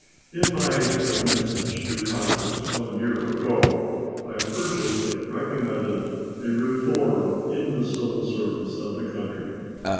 In my message to Congress one year ago I urgently recommended a reform in the civil service of the country.